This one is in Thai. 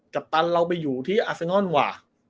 กัปตันเราไปอยู่ที่แอฟนอนวะ